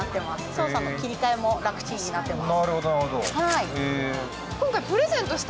操作の切り替えも楽ちんになってます。